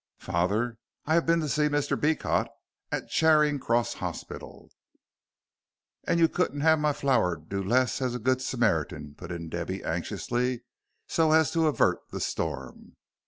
Father, I have been to see Mr. Beecot at the Charing Cross Hospital." "And you couldn't have my flower do less as a good Smart 'un," put in Debby, anxiously, so as to avert the storm.